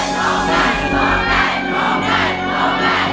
ร้องได้